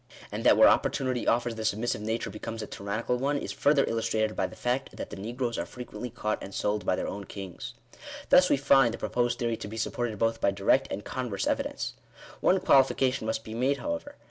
And that where opportunity offers the submissive nature becomes a tyrannical one, is further illustrated by the fact, that the negroes are frequently caught and sold by their own kings. Thus we find the proposed theory to be supported both by direct and converse evidence. One qualification must be made, however.